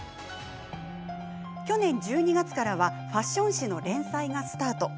去年１２月からはファッション誌の連載がスタート。